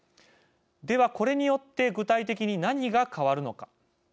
では、これによって具体的に何が変わるのか。